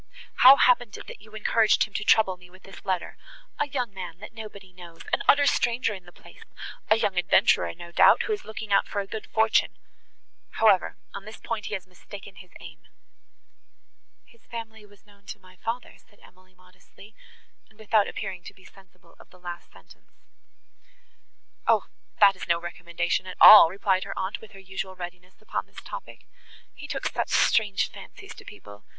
"How happened it that you encouraged him to trouble me with this letter?—A young man that nobody knows;—an utter stranger in the place,—a young adventurer, no doubt, who is looking out for a good fortune. However, on that point he has mistaken his aim." "His family was known to my father," said Emily modestly, and without appearing to be sensible of the last sentence. "O! that is no recommendation at all," replied her aunt, with her usual readiness upon this topic; "he took such strange fancies to people!